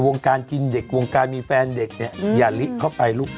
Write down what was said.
วงการกินเด็กวงการมีแฟนเด็กเนี่ยอย่าลิเข้าไปลูก